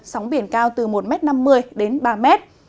sóng biển cao từ một năm mươi m đến ba m